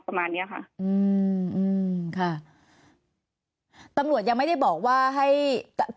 คืออยากรู้ประมาณเนี้ยต้องมีมากกว่าสี่ห้าประมาณเนี้ยค่ะ